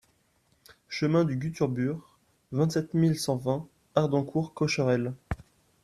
Chemin du Gue Turbure, vingt-sept mille cent vingt Hardencourt-Cocherel